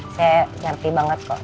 saya ngerti banget kok